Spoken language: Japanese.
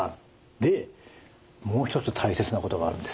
でもう一つ大切なことがあるんですね。